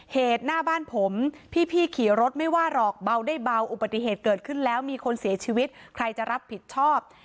เหตุหน้าบ้านผมพี่ขี่รถไม่ว่าหรอกเบาได้เบาอุบัติเหตุเกิดขึ้นแล้วมีคนเสียชีวิตใครจะรับผิดชอบ